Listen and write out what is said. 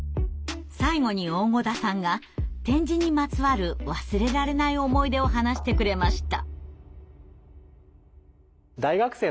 最後に大胡田さんが点字にまつわる忘れられない思い出を話してくれました。